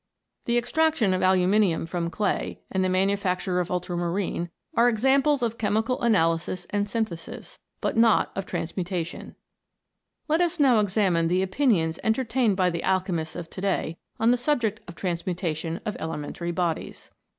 The extraction of aluminium from clay, and the manufacture of ultramarine, are examples of che mical analysis and synthesis, but not of transmuta tion. Let us now examine the opinions entertained by the alchemists of to day on the subject of the transmutation of elementary bodies. 84 MODERN ALCHEMY.